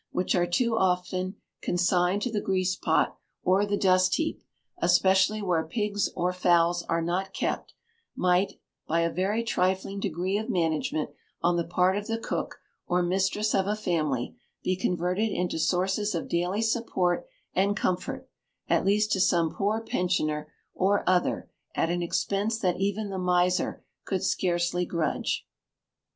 which are too often consigned to the grease pot or the dust heap, especially where pigs or fowls are not kept, might, by a very trifling degree of management on the part of the cook, or mistress of a family, be converted into sources of daily support and comfort, at least to some poor pensioner or other, at an expense that even the miser could scarcely grudge.